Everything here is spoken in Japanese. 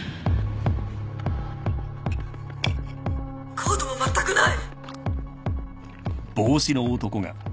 コードもまったくない。